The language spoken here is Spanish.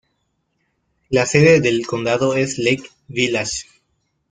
La sede del condado es Lake Village.